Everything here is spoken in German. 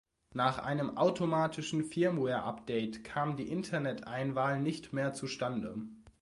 Nach einem automatischen Firmwareupdate kam die Interneteinwahl nicht mehr zustande.